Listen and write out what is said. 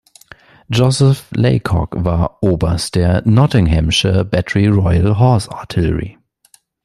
Joseph Laycock war Oberst der Nottinghamshire Battery Royal Horse Artillery.